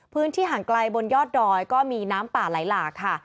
พื้นที่ห่างไกลบนยอดดอยก็มีน้ำป่าไหลหลากค่ะ